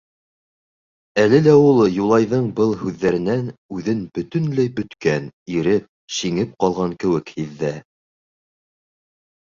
Әле лә ул Юлайҙың был һүҙҙәренән үҙен бөтөнләй бөткән, иреп, шиңеп ҡалған кеүек һиҙҙе.